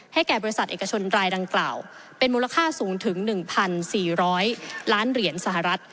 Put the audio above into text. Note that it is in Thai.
แก่บริษัทเอกชนรายดังกล่าวเป็นมูลค่าสูงถึง๑๔๐๐ล้านเหรียญสหรัฐ